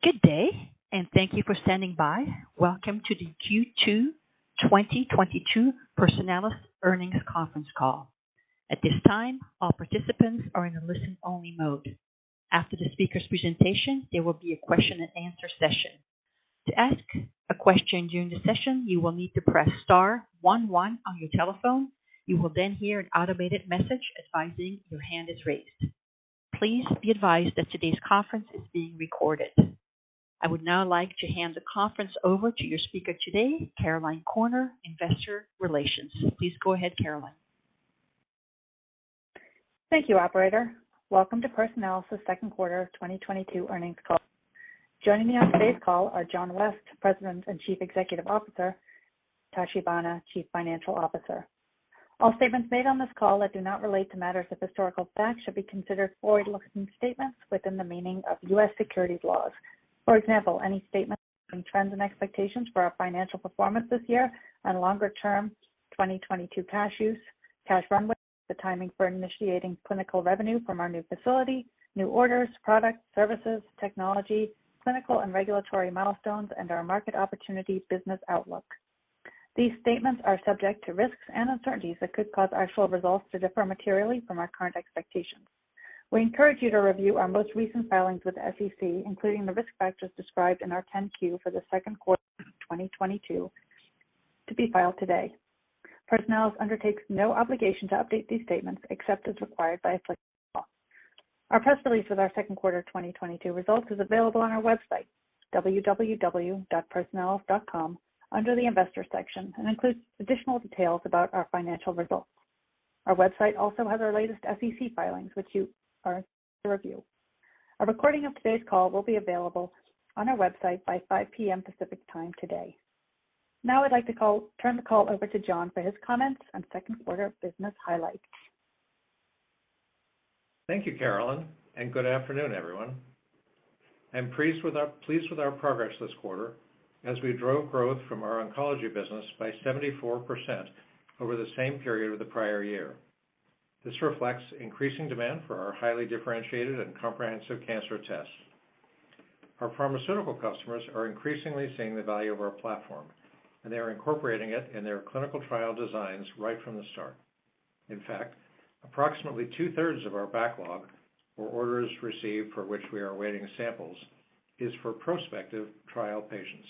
Good day, and thank you for standing by. Welcome to the Q2 2022 Personalis Earnings Conference Call. At this time, all participants are in a listen-only mode. After the speaker's presentation, there will be a question and answer session. To ask a question during the session, you will need to press star one one on your telephone. You will then hear an automated message advising your hand is raised. Please be advised that today's conference is being recorded. I would now like to hand the conference over to your speaker today, Caroline Corner, Investor Relations. Please go ahead, Caroline. Thank you, operator. Welcome to Personalis' second quarter 2022 earnings call. Joining me on today's call are John West, President and Chief Executive Officer, Aaron Tachibana, Chief Financial Officer. All statements made on this call that do not relate to matters of historical fact should be considered forward-looking statements within the meaning of U.S. securities laws. For example, any statement on trends and expectations for our financial performance this year and longer-term, 2022 cash use, cash runway, the timing for initiating clinical revenue from our new facility, new orders, products, services, technology, clinical and regulatory milestones, and our market opportunity business outlook. These statements are subject to risks and uncertainties that could cause actual results to differ materially from our current expectations. We encourage you to review our most recent filings with the SEC, including the risk factors described in our 10-Q for the second quarter of 2022 to be filed today. Personalis undertakes no obligation to update these statements except as required by applicable law. Our press release with our second quarter 2022 results is available on our website, www.personalis.com, under the Investors section, and includes additional details about our financial results. Our website also has our latest SEC filings, which you are to review. A recording of today's call will be available on our website by 5:00 P.M. Pacific Time today. Now I'd like to turn the call over to John for his comments on second quarter business highlights. Thank you, Caroline, and good afternoon, everyone. I'm pleased with our progress this quarter as we drove growth from our oncology business by 74% over the same period of the prior year. This reflects increasing demand for our highly differentiated and comprehensive cancer tests. Our pharmaceutical customers are increasingly seeing the value of our platform, and they are incorporating it in their clinical trial designs right from the start. In fact, approximately two-thirds of our backlog or orders received for which we are awaiting samples is for prospective trial patients.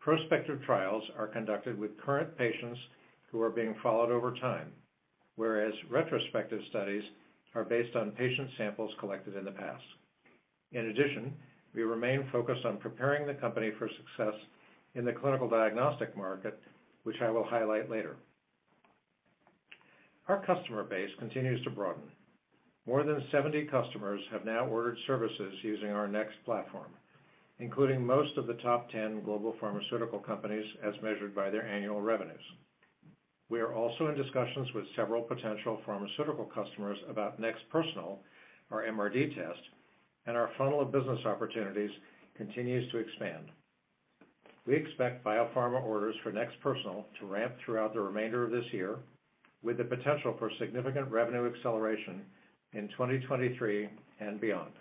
Prospective trials are conducted with current patients who are being followed over time, whereas retrospective studies are based on patient samples collected in the past. In addition, we remain focused on preparing the company for success in the clinical diagnostic market, which I will highlight later. Our customer base continues to broaden. More than 70 customers have now ordered services using our NeXT Platform, including most of the top 10 global pharmaceutical companies as measured by their annual revenues. We are also in discussions with several potential pharmaceutical customers about NeXT Personal, our MRD test, and our funnel of business opportunities continues to expand. We expect biopharma orders for NeXT Personal to ramp throughout the remainder of this year with the potential for significant revenue acceleration in 2023 and beyond.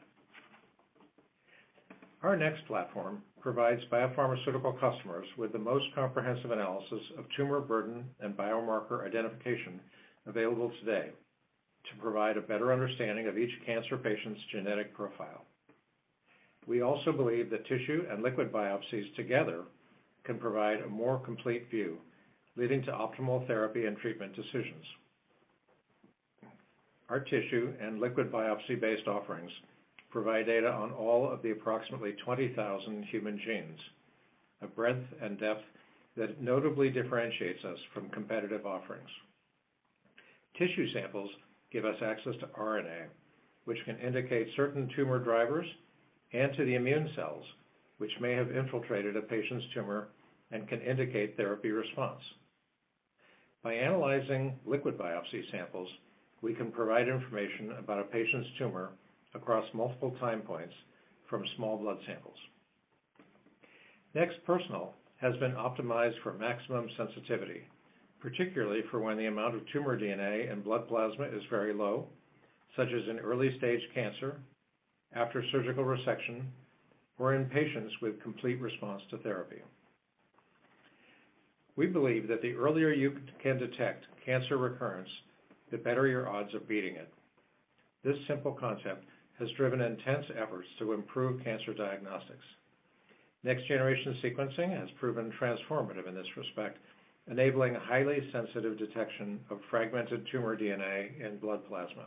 Our NeXT Platform provides biopharmaceutical customers with the most comprehensive analysis of tumor burden and biomarker identification available today to provide a better understanding of each cancer patient's genetic profile. We also believe that tissue and liquid biopsies together can provide a more complete view, leading to optimal therapy and treatment decisions. Our tissue and liquid biopsy-based offerings provide data on all of the approximately 20,000 human genes, a breadth and depth that notably differentiates us from competitive offerings. Tissue samples give us access to RNA, which can indicate certain tumor drivers, and to the immune cells, which may have infiltrated a patient's tumor and can indicate therapy response. By analyzing liquid biopsy samples, we can provide information about a patient's tumor across multiple time points from small blood samples. NeXT Personal has been optimized for maximum sensitivity, particularly for when the amount of tumor DNA and blood plasma is very low, such as in early stage cancer after surgical resection or in patients with complete response to therapy. We believe that the earlier you can detect cancer recurrence, the better your odds of beating it. This simple concept has driven intense efforts to improve cancer diagnostics. Next-generation sequencing has proven transformative in this respect, enabling highly sensitive detection of fragmented tumor DNA in blood plasma.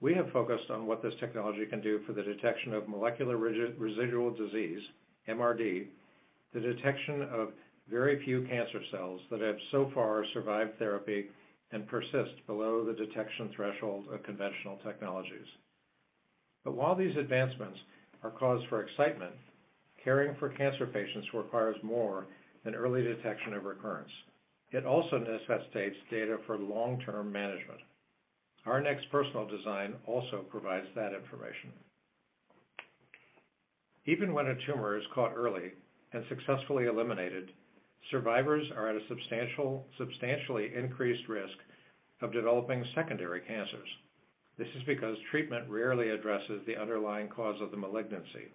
We have focused on what this technology can do for the detection of molecular residual disease, MRD, the detection of very few cancer cells that have so far survived therapy and persist below the detection threshold of conventional technologies. While these advancements are cause for excitement, caring for cancer patients requires more than early detection of recurrence. It also necessitates data for long-term management. Our NeXT Personal design also provides that information. Even when a tumor is caught early and successfully eliminated. Survivors are at a substantially increased risk of developing secondary cancers. This is because treatment rarely addresses the underlying cause of the malignancy.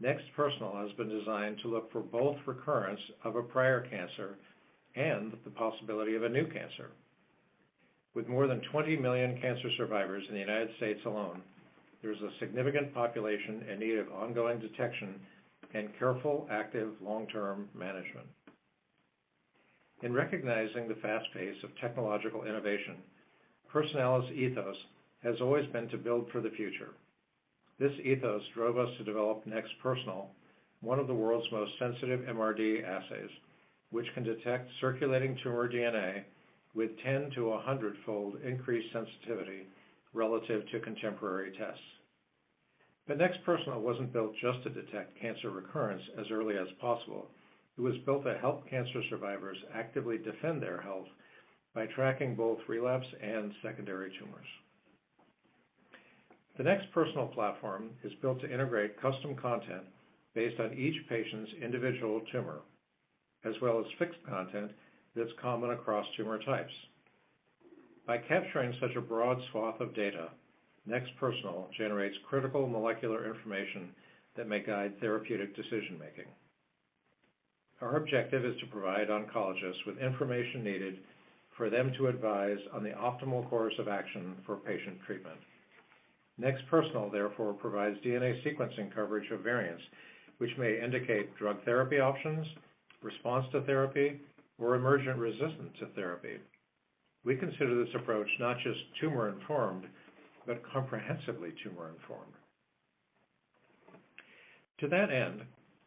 NeXT Personal has been designed to look for both recurrence of a prior cancer and the possibility of a new cancer. With more than 20 million cancer survivors in the United States alone, there's a significant population in need of ongoing detection and careful, active long-term management. In recognizing the fast pace of technological innovation, Personalis' ethos has always been to build for the future. This ethos drove us to develop NeXT Personal, one of the world's most sensitive MRD assays, which can detect circulating tumor DNA with 10- to 100-fold increased sensitivity relative to contemporary tests. NeXT Personal wasn't built just to detect cancer recurrence as early as possible. It was built to help cancer survivors actively defend their health by tracking both relapse and secondary tumors. The NeXT Personal platform is built to integrate custom content based on each patient's individual tumor, as well as fixed content that's common across tumor types. By capturing such a broad swath of data, NeXT Personal generates critical molecular information that may guide therapeutic decision making. Our objective is to provide oncologists with information needed for them to advise on the optimal course of action for patient treatment. NeXT Personal, therefore, provides DNA sequencing coverage of variants which may indicate drug therapy options, response to therapy, or emergent resistance to therapy. We consider this approach not just tumor-informed, but comprehensively tumor-informed. To that end,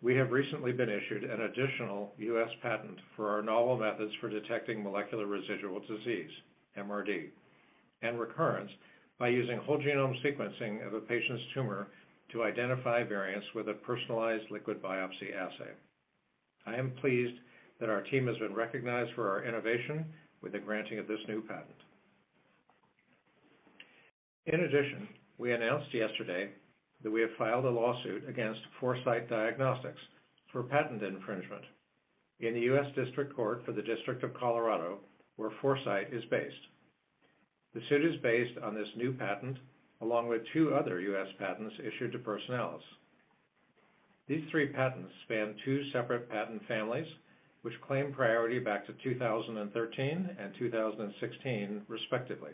we have recently been issued an additional U.S. patent for our novel methods for detecting molecular residual disease, MRD, and recurrence by using whole genome sequencing of a patient's tumor to identify variants with a personalized liquid biopsy assay. I am pleased that our team has been recognized for our innovation with the granting of this new patent. In addition, we announced yesterday that we have filed a lawsuit against Foresight Diagnostics for patent infringement in the U.S. District Court for the District of Colorado, where Foresight is based. The suit is based on this new patent, along with two other U.S. patents issued to Personalis. These three patents span two separate patent families, which claim priority back to 2013 and 2016, respectively.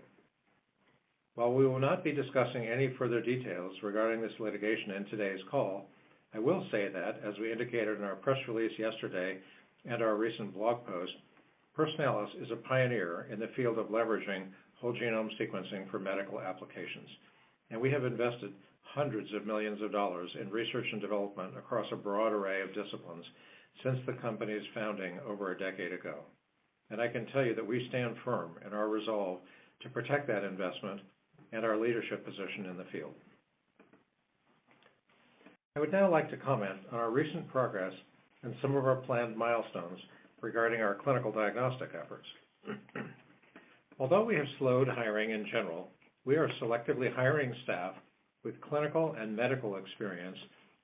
While we will not be discussing any further details regarding this litigation in today's call, I will say that, as we indicated in our press release yesterday and our recent blog post, Personalis is a pioneer in the field of leveraging whole genome sequencing for medical applications, and we have invested hundreds of millions of dollars in research and development across a broad array of disciplines since the company's founding over a decade ago. I can tell you that we stand firm in our resolve to protect that investment and our leadership position in the field. I would now like to comment on our recent progress and some of our planned milestones regarding our clinical diagnostic efforts. Although we have slowed hiring in general, we are selectively hiring staff with clinical and medical experience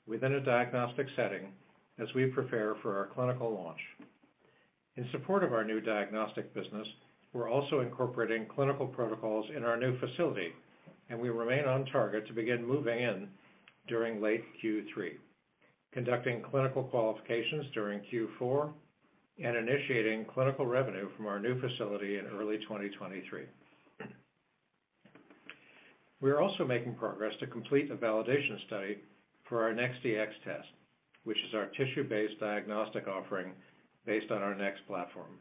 within a diagnostic setting as we prepare for our clinical launch. In support of our new diagnostic business, we're also incorporating clinical protocols in our new facility, and we remain on target to begin moving in during late Q3, conducting clinical qualifications during Q4, and initiating clinical revenue from our new facility in early 2023. We are also making progress to complete a validation study for our NeXT Dx test, which is our tissue-based diagnostic offering based on our NeXT Platform.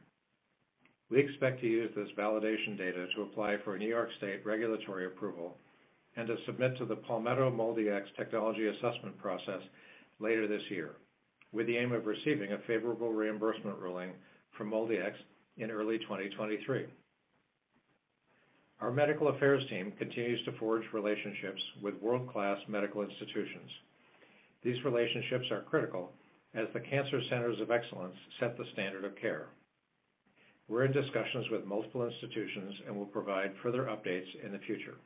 We expect to use this validation data to apply for a New York state regulatory approval and to submit to the Palmetto MolDX technology assessment process later this year, with the aim of receiving a favorable reimbursement ruling from MolDX in early 2023. Our medical affairs team continues to forge relationships with world-class medical institutions. These relationships are critical as the cancer centers of excellence set the standard of care. We're in discussions with multiple institutions and will provide further updates in the future.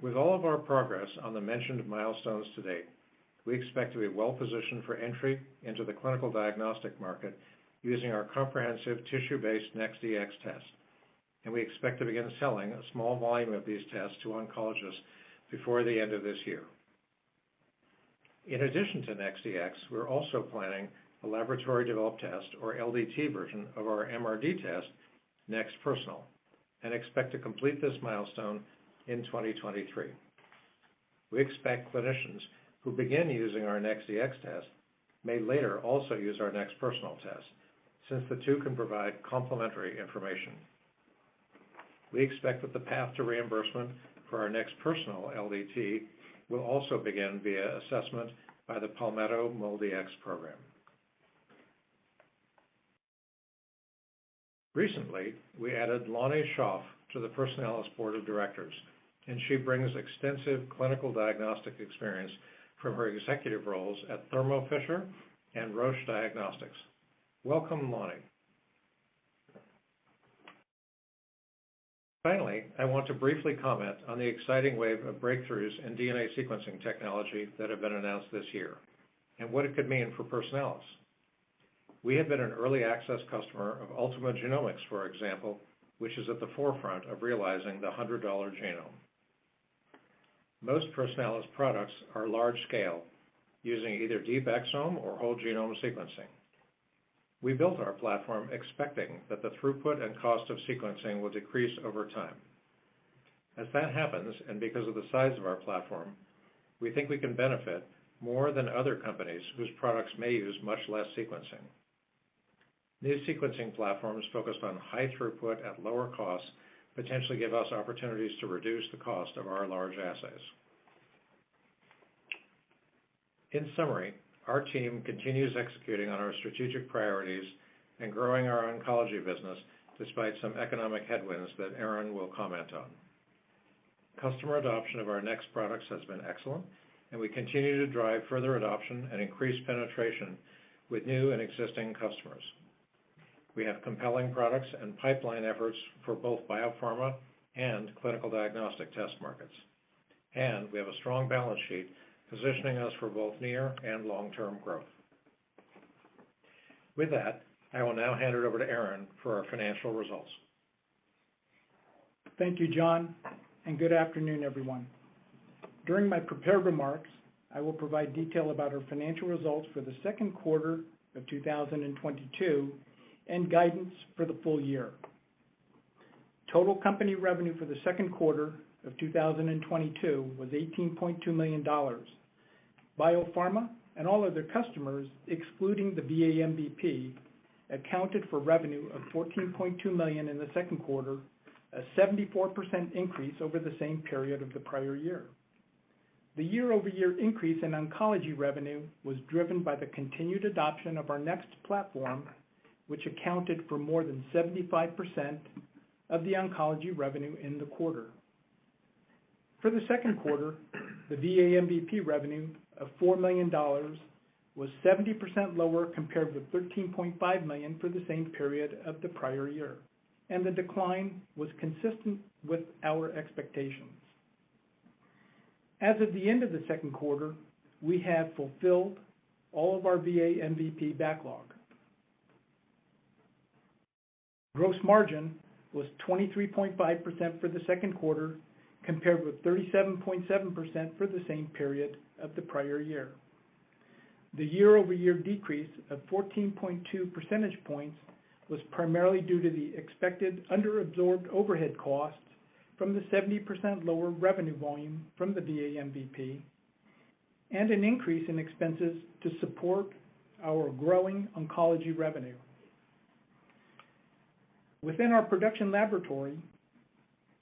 With all of our progress on the mentioned milestones to date, we expect to be well positioned for entry into the clinical diagnostic market using our comprehensive tissue-based NeXT Dx test, and we expect to begin selling a small volume of these tests to oncologists before the end of this year. In addition to NeXT Dx, we're also planning a laboratory developed test, or LDT version, of our MRD test, NeXT Personal, and expect to complete this milestone in 2023. We expect clinicians who begin using our NeXT Dx test may later also use our NeXT Personal test, since the two can provide complementary information. We expect that the path to reimbursement for our NeXT Personal LDT will also begin via assessment by the Palmetto MolDX program. Recently, we added Lonnie Shoff to the Personalis board of directors, and she brings extensive clinical diagnostic experience from her executive roles at Thermo Fisher and Roche Diagnostics. Welcome, Lonnie. Finally, I want to briefly comment on the exciting wave of breakthroughs in DNA sequencing technology that have been announced this year and what it could mean for Personalis. We have been an early access customer of Ultima Genomics, for example, which is at the forefront of realizing the $100 genome. Most Personalis products are large scale, using either deep exome or whole genome sequencing. We built our platform expecting that the throughput and cost of sequencing will decrease over time. As that happens, and because of the size of our platform, we think we can benefit more than other companies whose products may use much less sequencing. New sequencing platforms focused on high throughput at lower costs, potentially give us opportunities to reduce the cost of our large assays. In summary, our team continues executing on our strategic priorities and growing our oncology business despite some economic headwinds that Aaron will comment on. Customer adoption of our NeXT products has been excellent, and we continue to drive further adoption and increase penetration with new and existing customers. We have compelling products and pipeline efforts for both biopharma and clinical diagnostic test markets, and we have a strong balance sheet positioning us for both near and long-term growth. With that, I will now hand it over to Aaron for our financial results. Thank you, John, and good afternoon, everyone. During my prepared remarks, I will provide detail about our financial results for the second quarter of 2022 and guidance for the full year. Total company revenue for the second quarter of 2022 was $18.2 million. Biopharma and all other customers, excluding the VA MVP, accounted for revenue of $14.2 million in the second quarter, a 74% increase over the same period of the prior year. The year-over-year increase in oncology revenue was driven by the continued adoption of our NeXT Platform, which accounted for more than 75% of the oncology revenue in the quarter. For the second quarter, the VA MVP revenue of $4 million was 70% lower compared with $13.5 million for the same period of the prior year, and the decline was consistent with our expectations. As of the end of the second quarter, we have fulfilled all of our VA MVP backlog. Gross margin was 23.5% for the second quarter, compared with 37.7% for the same period of the prior year. The year-over-year decrease of 14.2 percentage points was primarily due to the expected under absorbed overhead costs from the 70% lower revenue volume from the VA MVP and an increase in expenses to support our growing oncology revenue. Within our production laboratory,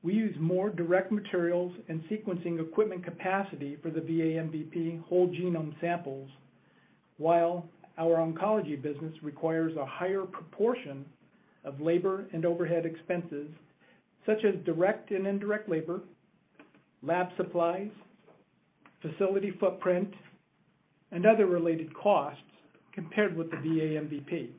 we use more direct materials and sequencing equipment capacity for the VA MVP whole genome samples, while our oncology business requires a higher proportion of labor and overhead expenses, such as direct and indirect labor, lab supplies, facility footprint, and other related costs compared with the VA MVP.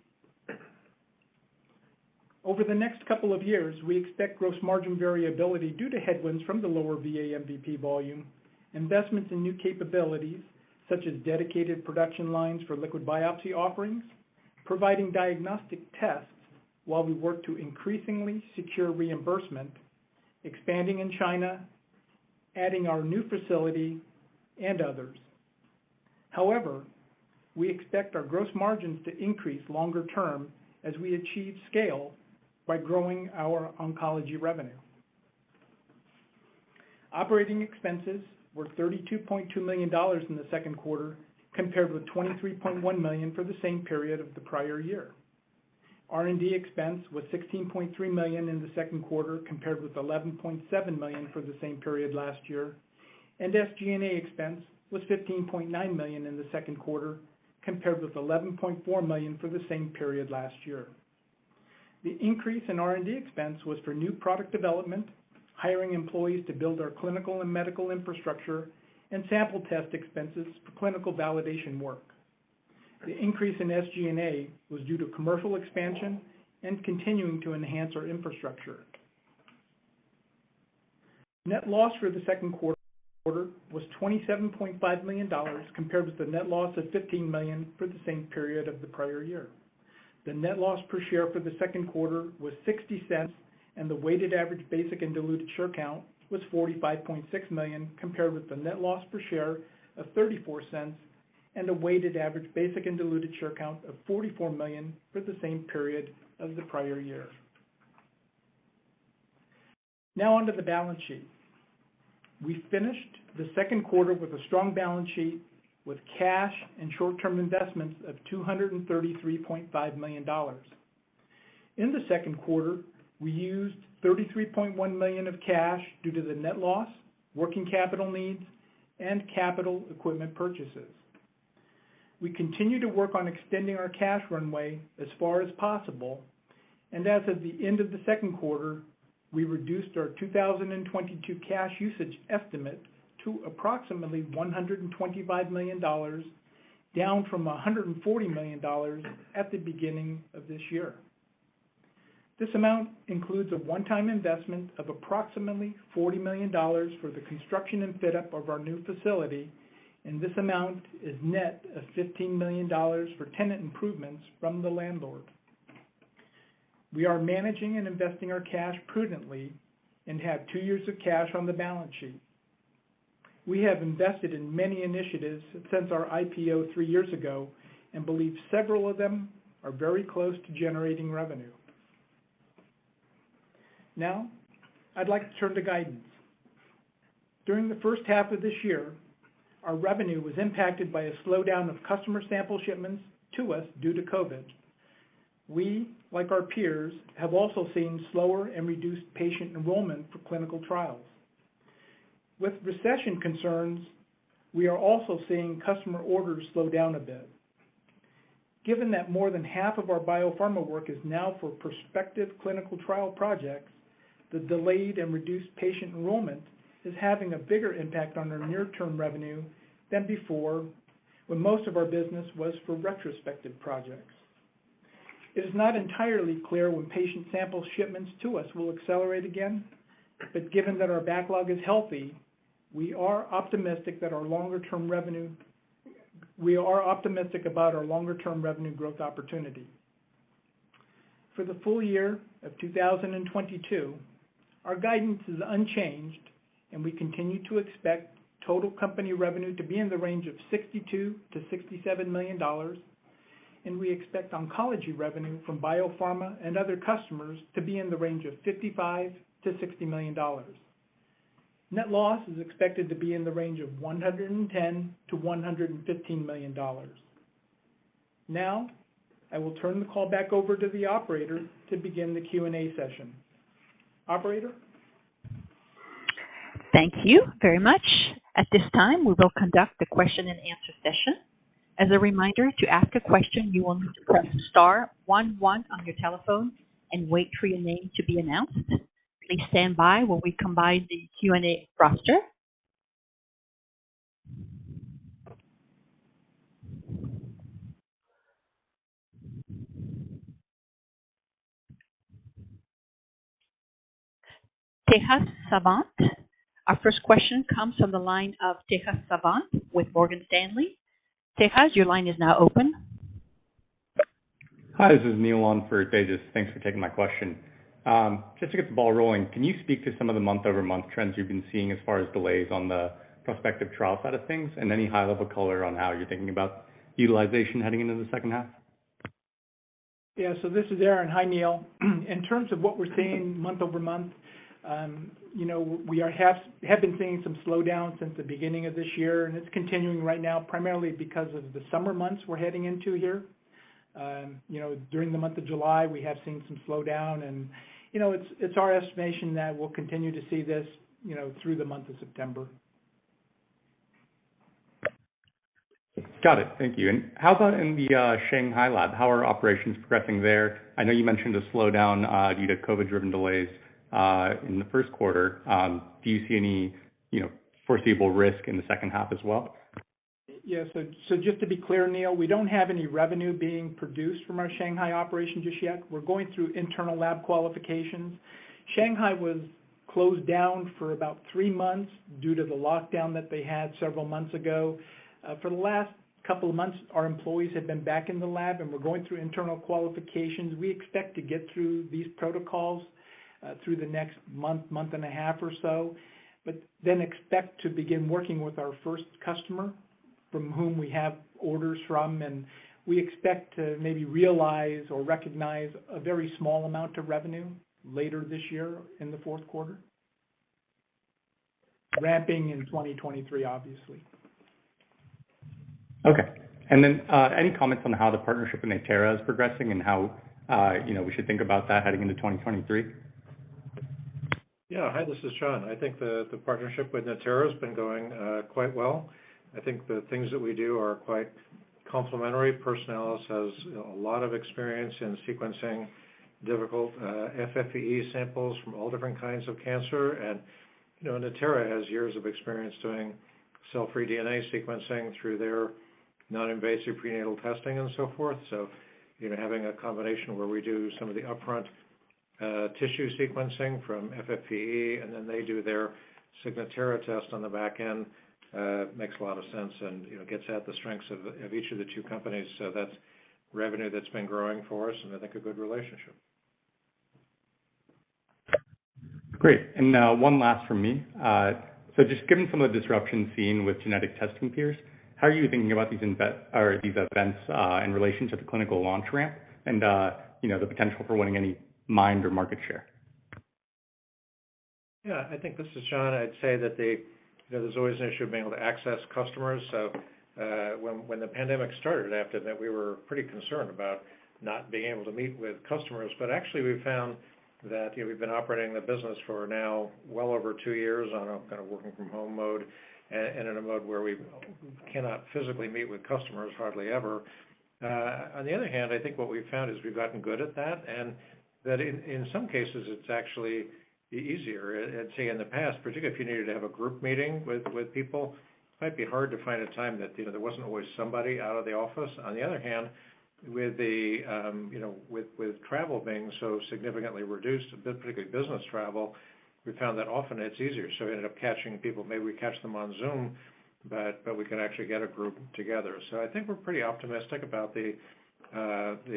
Over the next couple of years, we expect gross margin variability due to headwinds from the lower VA MVP volume, investments in new capabilities such as dedicated production lines for liquid biopsy offerings, providing diagnostic tests while we work to increasingly secure reimbursement, expanding in China, adding our new facility and others. However, we expect our gross margins to increase longer term as we achieve scale by growing our oncology revenue. Operating expenses were $32.2 million in the second quarter, compared with $23.1 million for the same period of the prior year. R&D expense was $16.3 million in the second quarter, compared with $11.7 million for the same period last year, and SG&A expense was $15.9 million in the second quarter, compared with $11.4 million for the same period last year. The increase in R&D expense was for new product development, hiring employees to build our clinical and medical infrastructure, and sample test expenses for clinical validation work. The increase in SG&A was due to commercial expansion and continuing to enhance our infrastructure. Net loss for the second quarter was $27.5 million, compared with the net loss of $15 million for the same period of the prior year. The net loss per share for the second quarter was $0.60, and the weighted average basic and diluted share count was 45.6 million, compared with the net loss per share of $0.34 and a weighted average basic and diluted share count of 44 million for the same period as the prior year. Now, on to the balance sheet. We finished the second quarter with a strong balance sheet with cash and short-term investments of $233.5 million. In the second quarter, we used $33.1 million of cash due to the net loss, working capital needs, and capital equipment purchases. We continue to work on extending our cash runway as far as possible, and as of the end of the second quarter, we reduced our 2022 cash usage estimate to approximately $125 million. Down from $140 million at the beginning of this year. This amount includes a one-time investment of approximately $40 million for the construction and fit-up of our new facility, and this amount is net of $15 million for tenant improvements from the landlord. We are managing and investing our cash prudently and have two years of cash on the balance sheet. We have invested in many initiatives since our IPO three years ago and believe several of them are very close to generating revenue. Now I'd like to turn to guidance. During the first half of this year, our revenue was impacted by a slowdown of customer sample shipments to us due to COVID. We, like our peers, have also seen slower and reduced patient enrollment for clinical trials. With recession concerns, we are also seeing customer orders slow down a bit. Given that more than half of our biopharma work is now for prospective clinical trial projects, the delayed and reduced patient enrollment is having a bigger impact on our near-term revenue than before, when most of our business was for retrospective projects. It is not entirely clear when patient sample shipments to us will accelerate again, but given that our backlog is healthy, we are optimistic that our longer-term revenue. We are optimistic about our longer-term revenue growth opportunity. For the full year of 2022, our guidance is unchanged, and we continue to expect total company revenue to be in the range of $62 million-$67 million, and we expect oncology revenue from biopharma and other customers to be in the range of $55 million-$60 million. Net loss is expected to be in the range of $110 million-$115 million. Now I will turn the call back over to the operator to begin the Q&A session. Operator? Thank you very much. At this time, we will conduct the question and answer session. As a reminder, to ask a question, you will need to press star one one on your telephone and wait for your name to be announced. Please stand by while we combine the Q&A roster. Tejas Sawant. Our first question comes from the line of Tejas Sawant with Morgan Stanley. Tejas, your line is now open. Hi, this is Neil on for Tejas. Thanks for taking my question. Just to get the ball rolling, can you speak to some of the month-over-month trends you've been seeing as far as delays on the prospective trial side of things and any high-level color on how you're thinking about utilization heading into the second half? Yeah. This is Aaron. Hi, Neil. In terms of what we're seeing month-over-month, you know, we have been seeing some slowdown since the beginning of this year, and it's continuing right now, primarily because of the summer months we're heading into here. You know, during the month of July, we have seen some slowdown and, you know, it's our estimation that we'll continue to see this, you know, through the month of September. Got it. Thank you. How about in the Shanghai lab? How are operations progressing there? I know you mentioned a slowdown due to COVID-driven delays in the first quarter. Do you see any, you know, foreseeable risk in the second half as well? Yes. Just to be clear, Neil, we don't have any revenue being produced from our Shanghai operations just yet. We're going through internal lab qualifications. Shanghai was closed down for about three months due to the lockdown that they had several months ago. For the last couple of months, our employees have been back in the lab, and we're going through internal qualifications. We expect to get through these protocols through the next month and a half or so, but then expect to begin working with our first customer from whom we have orders from. We expect to maybe realize or recognize a very small amount of revenue later this year in the fourth quarter. Ramping in 2023, obviously. Okay. Any comments on how the partnership with Natera is progressing and how, you know, we should think about that heading into 2023? Yeah. Hi, this is John. I think the partnership with Natera has been going quite well. I think the things that we do are quite complementary. Personalis has, you know, a lot of experience in sequencing difficult FFPE samples from all different kinds of cancer. You know, Natera has years of experience doing cell-free DNA sequencing through their non-invasive prenatal testing and so forth. You know, having a combination where we do some of the upfront tissue sequencing from FFPE and then they do their Signatera test on the back end makes a lot of sense and, you know, gets at the strengths of each of the two companies. That's revenue that's been growing for us, and I think a good relationship. Great. One last from me. Just given some of the disruption seen with genetic testing peers, how are you thinking about these events in relation to the clinical launch ramp and, you know, the potential for winning any mind or market share? Yeah, I think. This is John. I'd say that there's always an issue of being able to access customers. When the pandemic started, after that, we were pretty concerned about not being able to meet with customers. Actually, we've found that, you know, we've been operating the business for now well over two years on a kind of working from home mode and in a mode where we cannot physically meet with customers hardly ever. On the other hand, I think what we've found is we've gotten good at that, and that in some cases, it's actually easier. Say, in the past, particularly if you needed to have a group meeting with people, it might be hard to find a time that, you know, there wasn't always somebody out of the office. On the other hand, with the, you know, with travel being so significantly reduced, particularly business travel, we found that often it's easier. We ended up catching people. Maybe we catch them on Zoom, but we can actually get a group together. I think we're pretty optimistic about the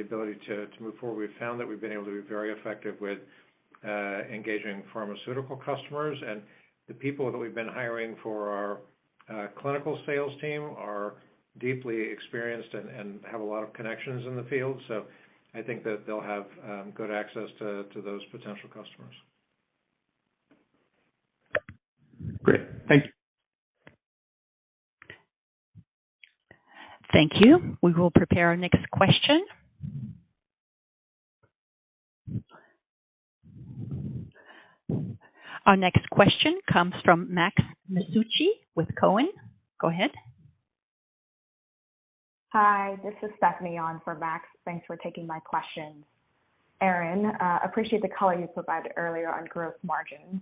ability to move forward. We've found that we've been able to be very effective with engaging pharmaceutical customers. The people that we've been hiring for our clinical sales team are deeply experienced and have a lot of connections in the field. I think that they'll have good access to those potential customers. Great. Thank you. Thank you. We will prepare our next question. Our next question comes from Max Masucci with Cowen. Go ahead. Hi, this is Stephanie on for Max. Thanks for taking my questions. Aaron, appreciate the color you provided earlier on gross margin.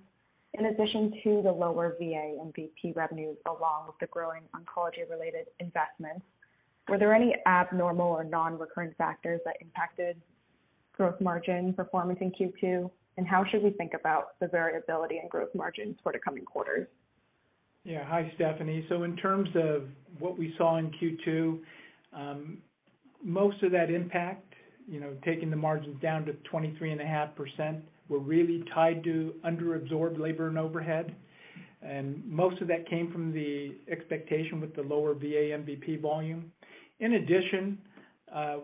In addition to the lower VA MVP revenues, along with the growing oncology-related investments, were there any abnormal or non-recurrent factors that impacted gross margin performance in Q2? How should we think about the variability in gross margins for the coming quarters? Yeah. Hi, Stephanie. In terms of what we saw in Q2, most of that impact, you know, taking the margins down to 23.5%, were really tied to under-absorbed labor and overhead. Most of that came from the expectation with the lower VA MVP volume. In addition,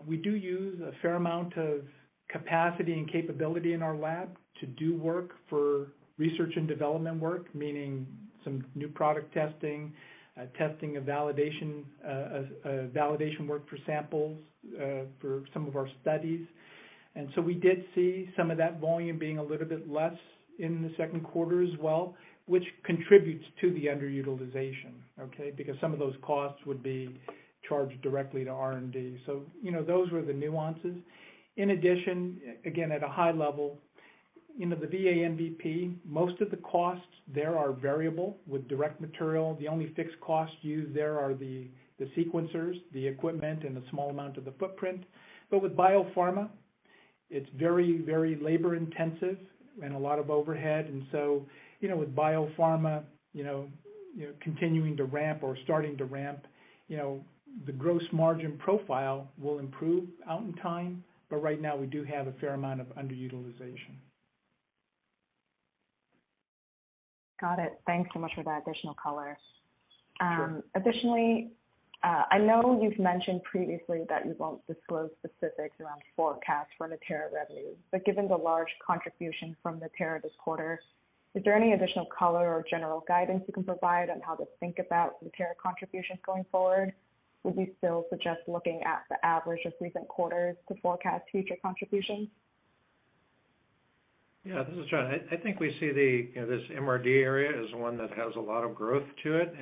we do use a fair amount of capacity and capability in our lab to do work for research and development work, meaning some new product testing and validation work for samples, for some of our studies. We did see some of that volume being a little bit less in the second quarter as well, which contributes to the underutilization, okay, because some of those costs would be charged directly to R&D. Those were the nuances. In addition, again, at a high level, you know, the VA MVP, most of the costs there are variable with direct material. The only fixed costs used there are the sequencers, the equipment and a small amount of the footprint. With biopharma, it's very, very labor intensive and a lot of overhead. With biopharma, you know, you're continuing to ramp or starting to ramp, you know, the gross margin profile will improve over time, but right now we do have a fair amount of underutilization. Got it. Thanks so much for that additional color. Sure. Additionally, I know you've mentioned previously that you won't disclose specifics around forecasts for Natera revenue, but given the large contribution from Natera this quarter, is there any additional color or general guidance you can provide on how to think about Natera contributions going forward? Would you still suggest looking at the average of recent quarters to forecast future contributions? Yeah, this is John. I think we see, you know, this MRD area as one that has a lot of growth to it.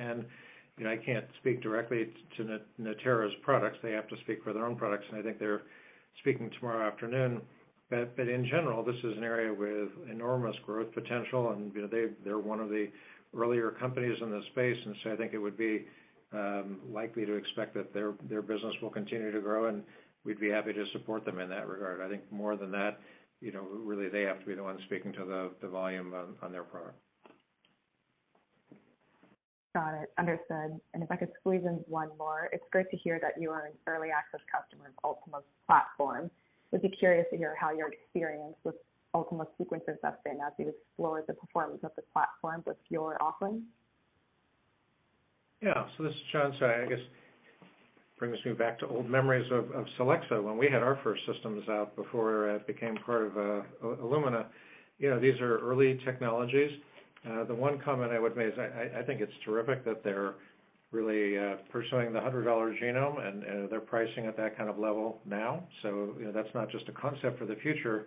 You know, I can't speak directly to Natera's products. They have to speak for their own products, and I think they're speaking tomorrow afternoon. In general, this is an area with enormous growth potential. You know, they're one of the earlier companies in this space, and so I think it would be likely to expect that their business will continue to grow, and we'd be happy to support them in that regard. I think more than that, you know, really, they have to be the ones speaking to the volume on their product. Got it. Understood. If I could squeeze in one more, it's great to hear that you are an early access customer of Ultima's platform. Would be curious to hear how your experience with Ultima sequencers have been as you explore the performance of the platform with your offerings? Yeah. This is John. I guess it brings me back to old memories of Solexa when we had our first systems out before it became part of Illumina. You know, these are early technologies. The one comment I would make is I think it's terrific that they're really pursuing the 100-dollar genome and they're pricing at that kind of level now. You know, that's not just a concept for the future.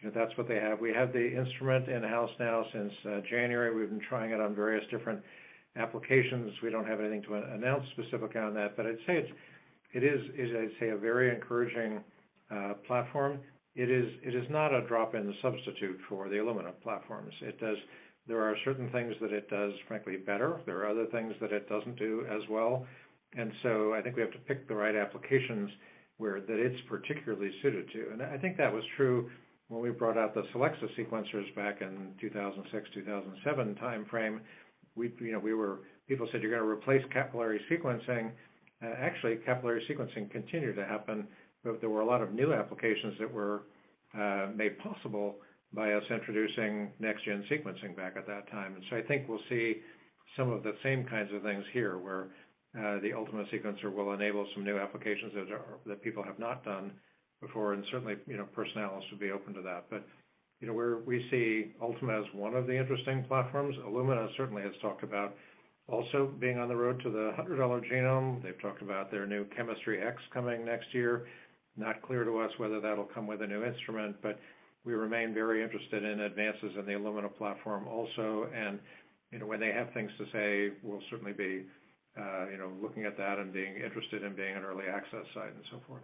You know, that's what they have. We have the instrument in-house now since January. We've been trying it on various different applications. We don't have anything to announce specifically on that, but I'd say it's a very encouraging platform. It is not a drop-in substitute for the Illumina platforms. There are certain things that it does, frankly, better. There are other things that it doesn't do as well. I think we have to pick the right applications where that it's particularly suited to. I think that was true when we brought out the Solexa sequencers back in 2006, 2007 timeframe. We, you know, people said, "You're gonna replace capillary sequencing." Actually, capillary sequencing continued to happen, but there were a lot of new applications that were made possible by us introducing next gen sequencing back at that time. I think we'll see some of the same kinds of things here, where the Ultima sequencer will enable some new applications that people have not done before, and certainly, you know, Personalis should be open to that. You know, we see Ultima as one of the interesting platforms. Illumina certainly has talked about also being on the road to the $100 genome. They've talked about their new Chemistry X coming next year. Not clear to us whether that'll come with a new instrument, but we remain very interested in advances in the Illumina platform also. You know, when they have things to say, we'll certainly be, you know, looking at that and being interested in being an early access site and so forth.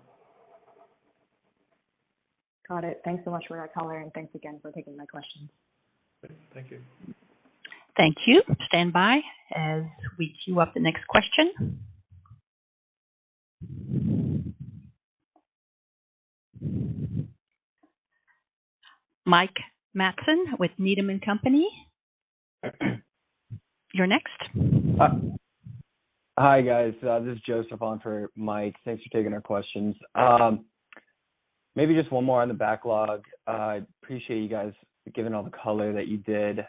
Got it. Thanks so much for that color, and thanks again for taking my questions. Great. Thank you. Thank you. Stand by as we queue up the next question. Mike Matson with Needham & Company. You're next. Hi, guys. This is Joseph on for Mike. Thanks for taking our questions. Maybe just one more on the backlog. I appreciate you guys giving all the color that you did.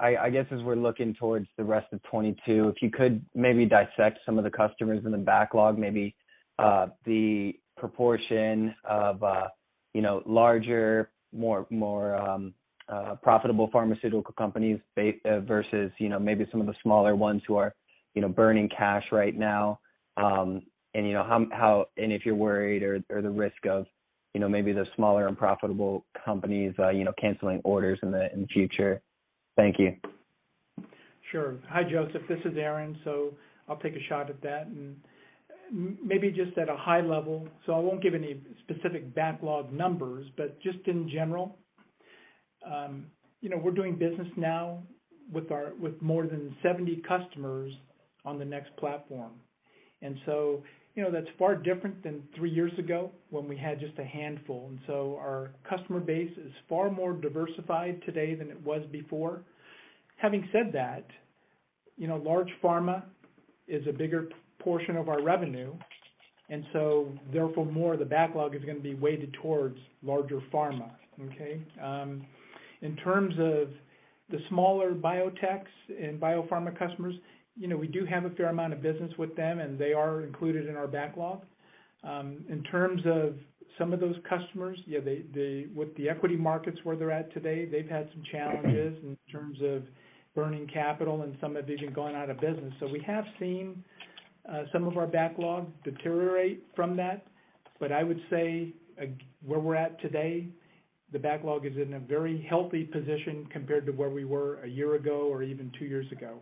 I guess, as we're looking towards the rest of 2022, if you could maybe dissect some of the customers in the backlog, maybe the proportion of, you know, larger, more profitable pharmaceutical companies versus, you know, maybe some of the smaller ones who are, you know, burning cash right now. And if you're worried or the risk of, you know, maybe the smaller and profitable companies, you know, canceling orders in the future. Thank you. Sure. Hi, Joseph. This is Aaron. I'll take a shot at that. Maybe just at a high level, I won't give any specific backlog numbers, but just in general, you know, we're doing business now with more than 70 customers on the NeXT Platform. You know, that's far different than three years ago when we had just a handful. Our customer base is far more diversified today than it was before. Having said that, you know, large pharma is a bigger portion of our revenue, therefore, more of the backlog is gonna be weighted towards larger pharma. Okay? In terms of the smaller biotechs and biopharma customers, you know, we do have a fair amount of business with them, and they are included in our backlog. In terms of some of those customers, yeah, they with the equity markets where they're at today, they've had some challenges in terms of burning capital, and some have even gone out of business. So we have seen some of our backlog deteriorate from that. But I would say where we're at today, the backlog is in a very healthy position compared to where we were a year ago or even two years ago.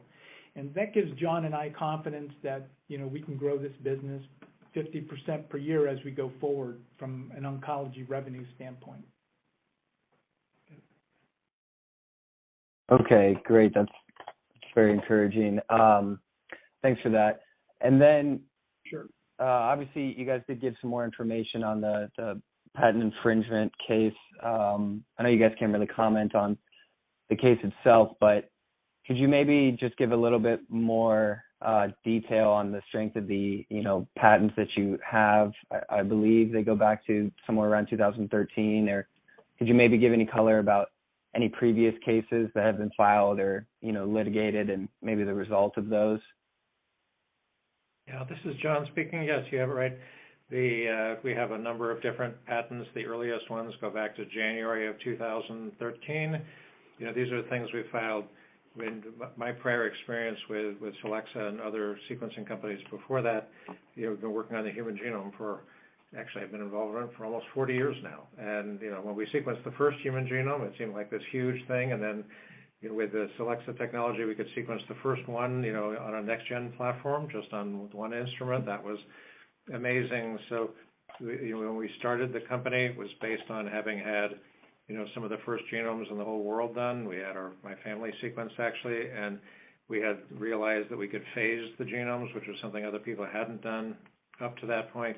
That gives John and I confidence that, you know, we can grow this business 50% per year as we go forward from an oncology revenue standpoint. Okay, great. That's very encouraging. Thanks for that. Then- Sure. Obviously, you guys did give some more information on the patent infringement case. I know you guys can't really comment on the case itself, but could you maybe just give a little bit more detail on the strength of the, you know, patents that you have? I believe they go back to somewhere around 2013, or could you maybe give any color about any previous cases that have been filed or, you know, litigated and maybe the results of those? Yeah, this is John speaking. Yes, you have it right. We have a number of different patents. The earliest ones go back to January of 2013. You know, these are things we filed in my prior experience with Solexa and other sequencing companies before that. You know, we've been working on the human genome. Actually, I've been involved in it for almost 40 years now. You know, when we sequenced the first human genome, it seemed like this huge thing. You know, with the Solexa technology, we could sequence the first one, you know, on a next gen platform, just on one instrument. That was amazing. You know, when we started the company, it was based on having had, you know, some of the first genomes in the whole world done. We had my family sequenced, actually, and we had realized that we could phase the genomes, which was something other people hadn't done up to that point.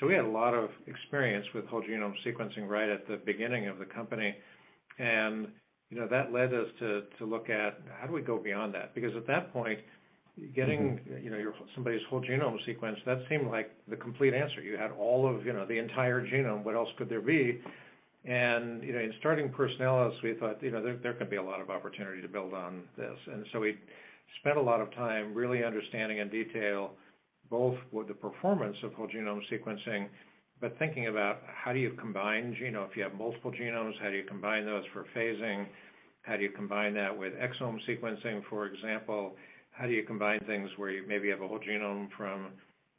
We had a lot of experience with whole genome sequencing right at the beginning of the company. You know, that led us to look at how do we go beyond that? Because at that point, getting, you know, somebody's whole genome sequenced, that seemed like the complete answer. You had all of, you know, the entire genome. What else could there be? You know, in starting Personalis, we thought, you know, there could be a lot of opportunity to build on this. We spent a lot of time really understanding in detail, both with the performance of whole genome sequencing, but thinking about how do you combine if you have multiple genomes, how do you combine those for phasing? How do you combine that with exome sequencing, for example? How do you combine things where you maybe have a whole genome from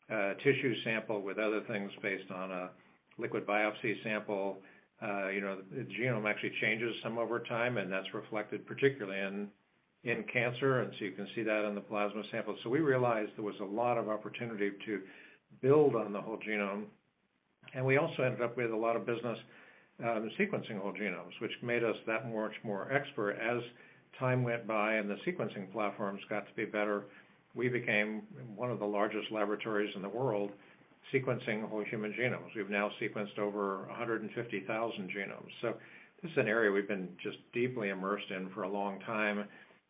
a tissue sample with other things based on a liquid biopsy sample? You know, the genome actually changes some over time, and that's reflected particularly in cancer, and so you can see that on the plasma sample. We realized there was a lot of opportunity to build on the whole genome. We also ended up with a lot of business in sequencing whole genomes, which made us that much more expert. As time went by and the sequencing platforms got to be better, we became one of the largest laboratories in the world, sequencing whole human genomes. We've now sequenced over 150,000 genomes. This is an area we've been just deeply immersed in for a long time.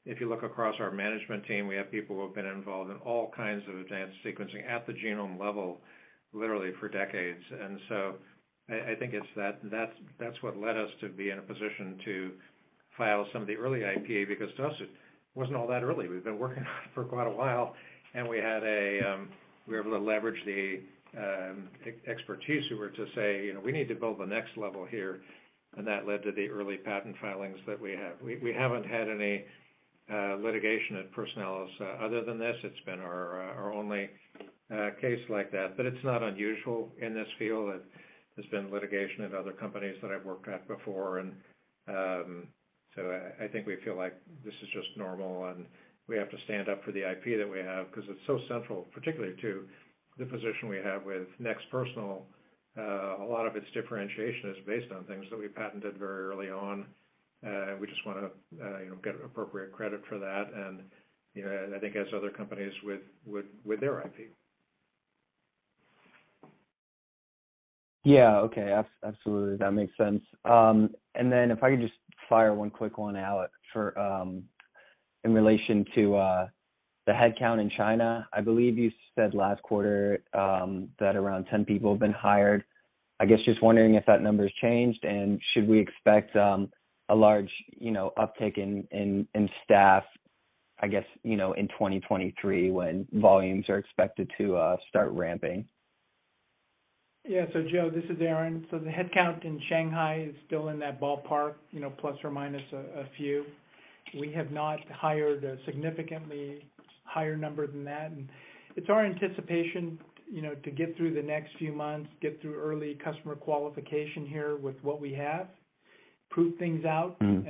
If you look across our management team, we have people who have been involved in all kinds of advanced sequencing at the genome level, literally for decades. I think it's that that's what led us to be in a position to file some of the early IP, because to us, it wasn't all that early. We've been working on it for quite a while, and we were able to leverage the experts who were to say, you know, we need to build the next level here, and that led to the early patent filings that we have. We haven't had any litigation at Personalis other than this. It's been our only case like that, but it's not unusual in this field. There's been litigation at other companies that I've worked at before. I think we feel like this is just normal, and we have to stand up for the IP that we have because it's so central, particularly to the position we have with NeXT Personal. A lot of its differentiation is based on things that we patented very early on, and we just wanna, you know, get appropriate credit for that. You know, I think as other companies with their IP. Yeah, okay. Absolutely. That makes sense. If I could just fire one quick one, Aaron, for in relation to the headcount in China. I believe you said last quarter that around 10 people have been hired. I guess just wondering if that number's changed, and should we expect a large, you know, uptick in staff, I guess, you know, in 2023 when volumes are expected to start ramping? Yeah. Joe, this is Aaron. The headcount in Shanghai is still in that ballpark, you know, plus or minus a few. We have not hired a significantly higher number than that. It's our anticipation, you know, to get through the next few months, get through early customer qualification here with what we have, prove things out. Mm-hmm.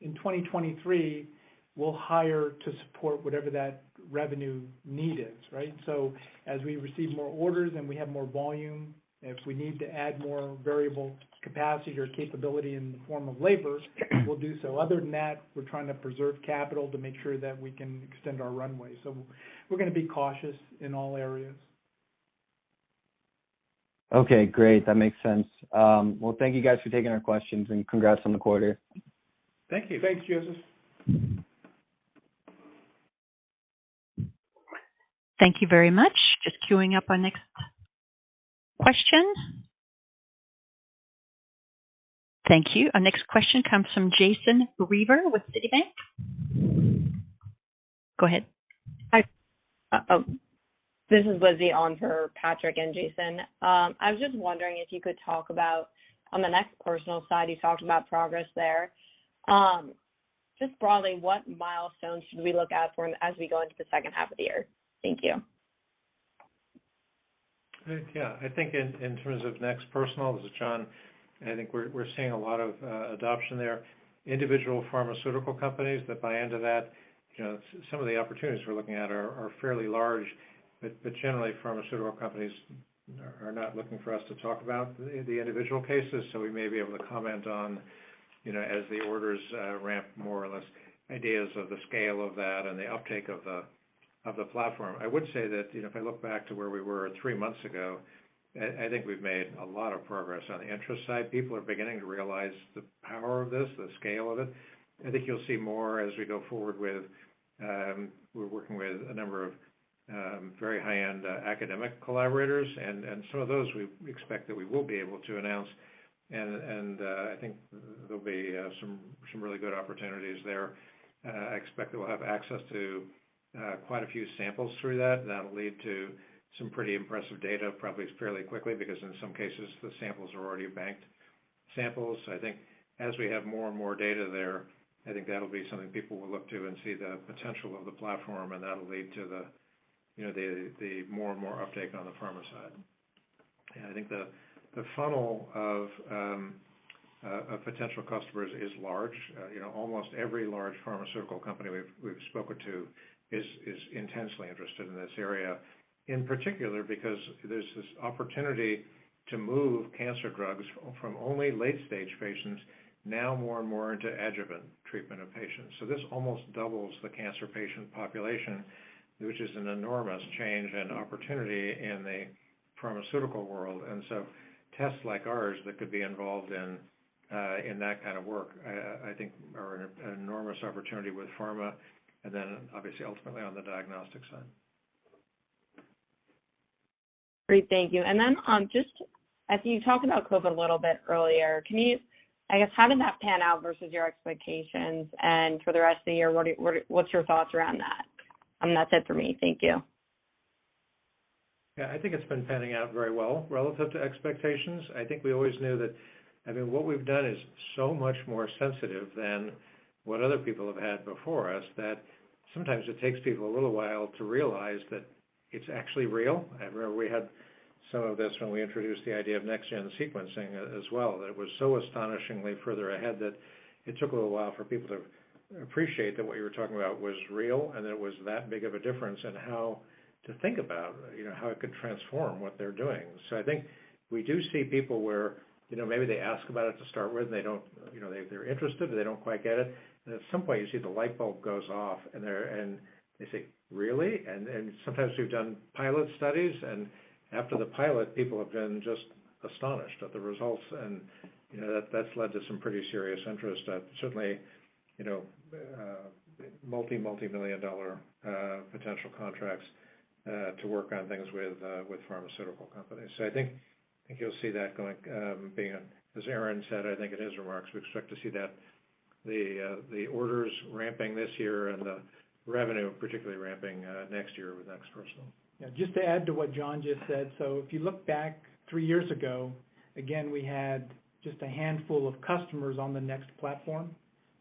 In 2023, we'll hire to support whatever that revenue need is, right? As we receive more orders and we have more volume, if we need to add more variable capacity or capability in the form of labor, we'll do so. Other than that, we're trying to preserve capital to make sure that we can extend our runway. We're gonna be cautious in all areas. Okay, great. That makes sense. Well, thank you guys for taking our questions, and congrats on the quarter. Thank you. Thanks, Joseph. Thank you very much. Just cueing up our next question. Thank you. Our next question comes from Jason Reiver with Citi. Go ahead. Hi. This is Lizzie on for Patrick and Jason. I was just wondering if you could talk about, on the NeXT Personal side, you talked about progress there. Just broadly, what milestones should we look out for as we go into the second half of the year? Thank you. Yeah. I think in terms of NeXT Personal, this is John, I think we're seeing a lot of adoption there. Individual pharmaceutical companies that buy into that, you know, some of the opportunities we're looking at are fairly large, but generally pharmaceutical companies are not looking for us to talk about the individual cases, so we may be able to comment on, you know, as the orders ramp more or less, ideas of the scale of that and the uptake of the platform. I would say that, you know, if I look back to where we were three months ago, I think we've made a lot of progress on the interest side. People are beginning to realize the power of this, the scale of it. I think you'll see more as we go forward with, we're working with a number of very high-end academic collaborators, and I think there'll be some really good opportunities there. I expect that we'll have access to quite a few samples through that, and that'll lead to some pretty impressive data, probably fairly quickly, because in some cases, the samples are already banked samples. I think as we have more and more data there, I think that'll be something people will look to and see the potential of the platform, and that'll lead to the, you know, the more and more uptake on the pharma side. I think the funnel of potential customers is large. You know, almost every large pharmaceutical company we've spoken to is intensely interested in this area, in particular because there's this opportunity to move cancer drugs from only late-stage patients now more and more into adjuvant treatment of patients. This almost doubles the cancer patient population, which is an enormous change and opportunity in the pharmaceutical world. Tests like ours that could be involved in that kind of work, I think are an enormous opportunity with pharma, and then obviously ultimately on the diagnostic side. Great. Thank you. Then, just as you talked about COVID a little bit earlier, can you, I guess, how did that pan out versus your expectations? For the rest of the year, what's your thoughts around that? That's it for me. Thank you. Yeah. I think it's been panning out very well relative to expectations. I think we always knew that, I mean, what we've done is so much more sensitive than what other people have had before us, that sometimes it takes people a little while to realize that it's actually real. I remember we had some of this when we introduced the idea of next-gen sequencing as well. It was so astonishingly further ahead that it took a little while for people to appreciate that what you were talking about was real and that it was that big of a difference in how to think about, you know, how it could transform what they're doing. I think we do see people where, you know, maybe they ask about it to start with, and they don't, you know, they're interested, but they don't quite get it. At some point, you see the light bulb goes off, and they say, "Really?" Sometimes we've done pilot studies, and after the pilot, people have been just astonished at the results. You know, that's led to some pretty serious interest, certainly multi-million-dollar potential contracts to work on things with pharmaceutical companies. I think you'll see that going, being, as Aaron said, I think in his remarks, we expect to see the orders ramping this year and the revenue particularly ramping next year with NeXT Personal. Yeah, just to add to what John just said, so if you look back three years ago, again, we had just a handful of customers on the NeXT Platform.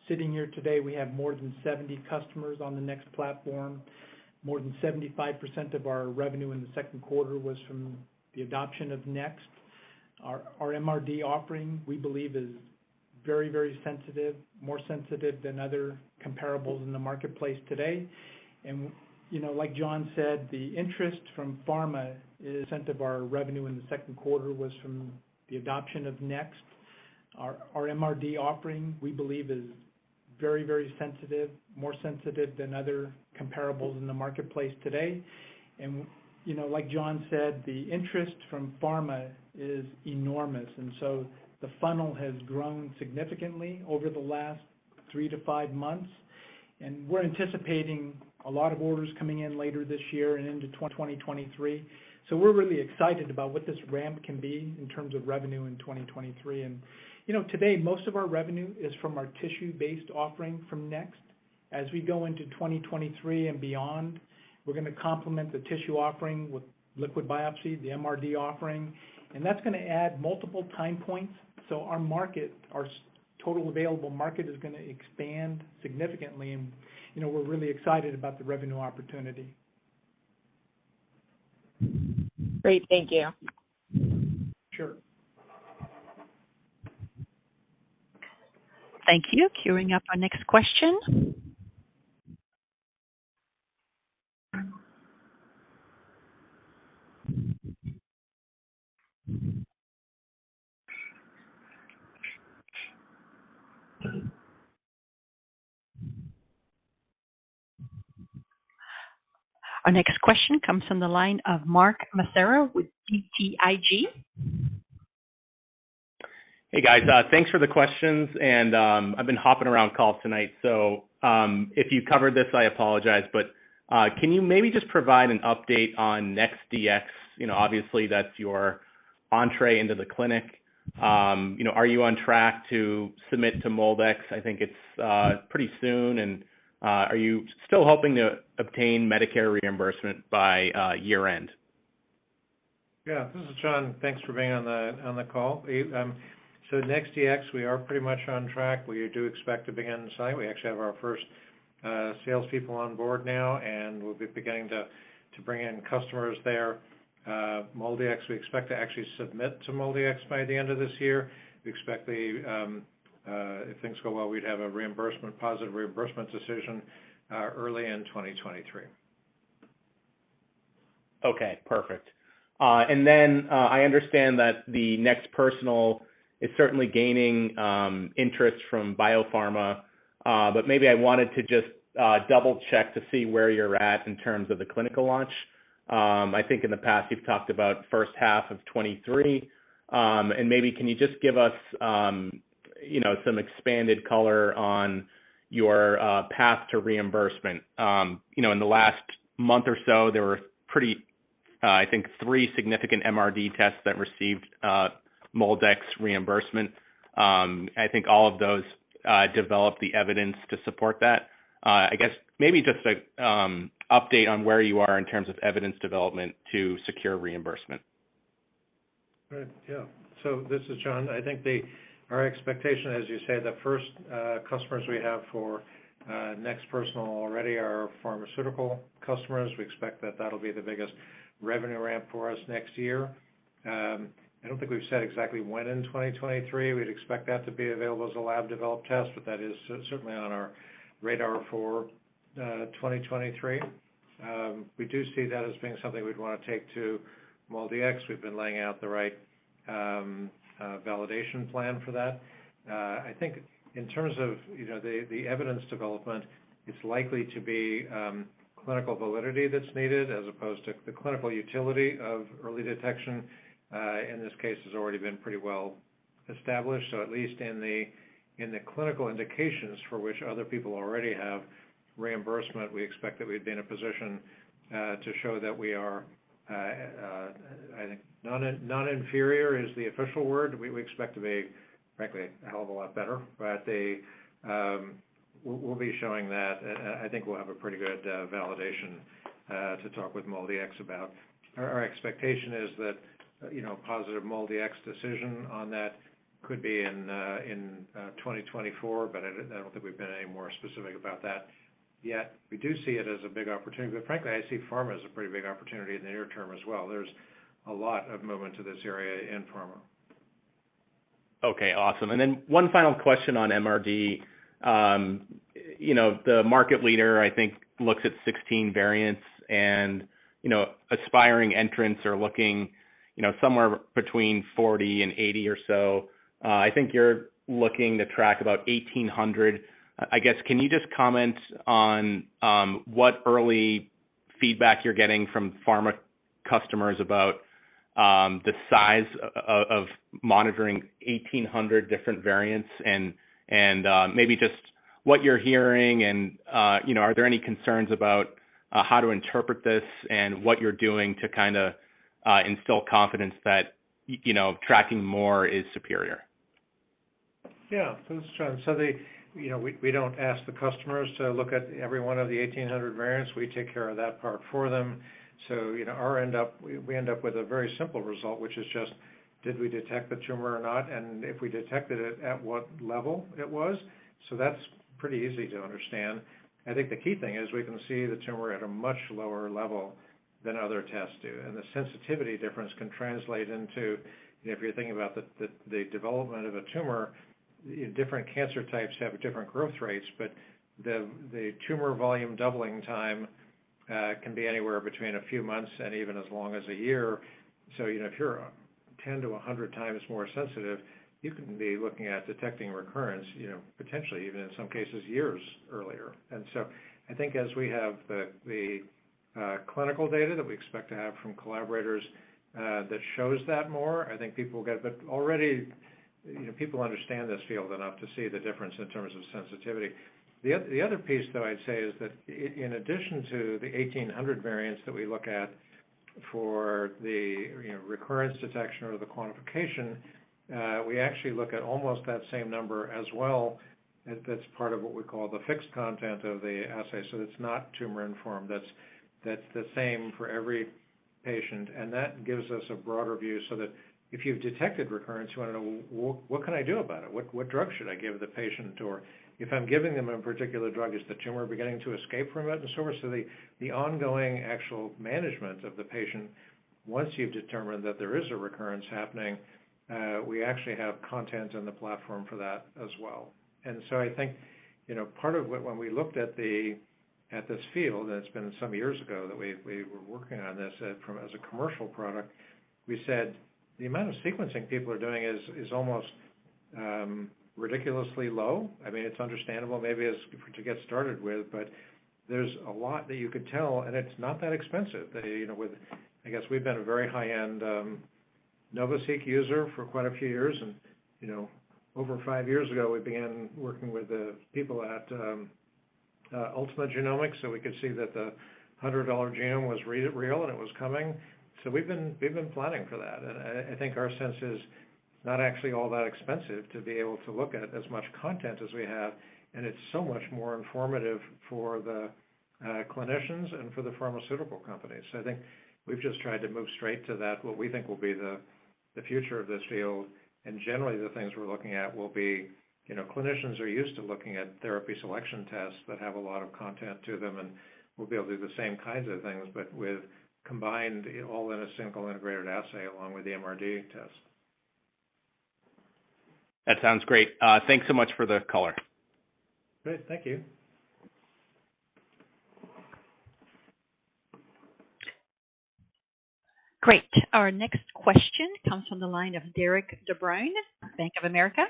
Sitting here today, we have more than 70 customers on the NeXT Platform. More than 75% of our revenue in the second quarter was from the adoption of NeXT. Our MRD offering, we believe is very, very sensitive, more sensitive than other comparables in the marketplace today. You know, like John said, the interest from pharma is enormous, and so the funnel has grown significantly over the last three to five months. We're anticipating a lot of orders coming in later this year and into 2023. We're really excited about what this ramp can be in terms of revenue in 2023. You know, today, most of our revenue is from our tissue-based offering from NeXT. As we go into 2023 and beyond, we're gonna complement the tissue offering with liquid biopsy, the MRD offering, and that's gonna add multiple time points. Our market, our total available market is gonna expand significantly and, you know, we're really excited about the revenue opportunity. Great. Thank you. Sure. Thank you. Cueing up our next question. Our next question comes from the line of Mark Massaro with BTIG. Hey, guys, thanks for the questions. I've been hopping around calls tonight, so if you covered this, I apologize. Can you maybe just provide an update on NeXT Dx? You know, obviously that's your entrée into the clinic. Are you on track to submit to MolDX? I think it's pretty soon. Are you still hoping to obtain Medicare reimbursement by year-end? Yeah, this is John. Thanks for being on the call. NeXT Dx, we are pretty much on track. We do expect to begin site. We actually have our first salespeople on board now, and we'll be beginning to bring in customers there. MolDX, we expect to actually submit to MolDX by the end of this year. We expect, if things go well, we'd have a positive reimbursement decision early in 2023. Okay, perfect. I understand that the NeXT Personal is certainly gaining interest from biopharma, but maybe I wanted to just double check to see where you're at in terms of the clinical launch. I think in the past you've talked about first half of 2023. Maybe can you just give us, you know, some expanded color on your path to reimbursement. You know, in the last month or so, there were pretty, I think three significant MRD tests that received MolDX reimbursement. I think all of those developed the evidence to support that. I guess maybe just a update on where you are in terms of evidence development to secure reimbursement. Right. Yeah. This is John. I think our expectation, as you say, the first customers we have for NeXT Personal already are pharmaceutical customers. We expect that that'll be the biggest revenue ramp for us next year. I don't think we've said exactly when in 2023 we'd expect that to be available as a lab developed test, but that is certainly on our radar for 2023. We do see that as being something we'd wanna take to MolDX. We've been laying out the right validation plan for that. I think in terms of, you know, the evidence development, it's likely to be clinical validity that's needed as opposed to the clinical utility of early detection in this case has already been pretty well established. At least in the clinical indications for which other people already have reimbursement, we expect that we'd be in a position to show that we are, I think non-inferior is the official word. We expect to be, frankly, a hell of a lot better. We'll be showing that. I think we'll have a pretty good validation to talk with MolDX about. Our expectation is that, you know, positive MolDX decision on that could be in 2024, but I don't think we've been any more specific about that yet. We do see it as a big opportunity, but frankly, I see pharma as a pretty big opportunity in the near term as well. There's a lot of movement to this area in pharma. Okay, awesome. One final question on MRD. You know, the market leader, I think, looks at 16 variants and, you know, aspiring entrants are looking, you know, somewhere between 40 and 80 or so. I think you're looking to track about 1800. I guess, can you just comment on what early feedback you're getting from pharma customers about the size of monitoring 1800 different variants and maybe just what you're hearing and, you know, are there any concerns about how to interpret this and what you're doing to kinda instill confidence that, you know, tracking more is superior? Yeah. This is John. The... You know, we don't ask the customers to look at every one of the 1,800 variants. We take care of that part for them. You know, we end up with a very simple result, which is just, did we detect the tumor or not? If we detected it, at what level it was. That's pretty easy to understand. I think the key thing is we can see the tumor at a much lower level than other tests do. The sensitivity difference can translate into. If you're thinking about the development of a tumor, different cancer types have different growth rates, but the tumor volume doubling time can be anywhere between a few months and even as long as a year. You know, if you're 10-100 times more sensitive, you can be looking at detecting recurrence, you know, potentially, even in some cases, years earlier. I think as we have the clinical data that we expect to have from collaborators that shows that more, I think people will get. Already, you know, people understand this field enough to see the difference in terms of sensitivity. The other piece, though, I'd say is that in addition to the 1,800 variants that we look at for the, you know, recurrence detection or the quantification, we actually look at almost that same number as well, and that's part of what we call the fixed content of the assay, so it's not tumor-informed. That's the same for every patient, and that gives us a broader view so that if you've detected recurrence, you wanna know, what can I do about it? What drug should I give the patient? Or if I'm giving them a particular drug, is the tumor beginning to escape from it? The ongoing actual management of the patient, once you've determined that there is a recurrence happening, we actually have content on the platform for that as well. I think, you know, part of what... When we looked at this field, it's been some years ago that we were working on this as a commercial product. We said, "The amount of sequencing people are doing is almost ridiculously low." I mean, it's understandable, maybe to get started with, but there's a lot that you could tell, and it's not that expensive. You know, I guess we've been a very high-end NovaSeq user for quite a few years and, you know, over five years ago, we began working with the people at Ultima Genomics, so we could see that the $100 genome was real and it was coming. We've been planning for that. I think our sense is it's not actually all that expensive to be able to look at as much content as we have, and it's so much more informative for the clinicians and for the pharmaceutical companies. I think we've just tried to move straight to that, what we think will be the future of this field, and generally the things we're looking at will be, you know, clinicians are used to looking at therapy selection tests that have a lot of content to them, and we'll be able to do the same kinds of things, but with combined all in a single integrated assay along with the MRD test. That sounds great. Thanks so much for the color. Great. Thank you. Great. Our next question comes from the line of Derik De Bruin, Bank of America.